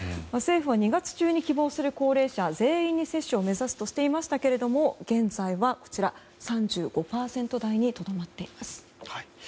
政府は２月中に希望する高齢者全員に接種を目指すとしていましたが現在はこちら３５％台にとどまっています。